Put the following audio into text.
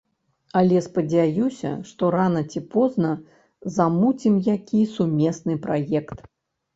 Але, спадзяюся, што рана ці позна замуцім які сумесны праект.